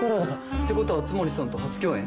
ってことは熱護さんと初共演？